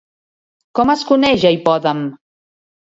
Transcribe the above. Com es coneix a Hipòdam?